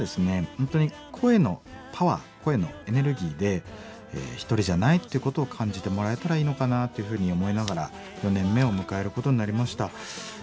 本当に声のパワー声のエネルギーで一人じゃないってことを感じてもらえたらいいのかなっていうふうに思いながら４年目を迎えることになりました。